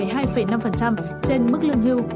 trên mức lương hưu